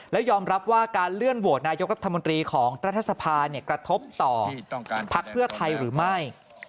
แล้วยอมรับว่าการเลื่อนโหวตนายกรัฐมนตรีของรัฐสภากระทบต่อพักเพื่อไทยหรือไม่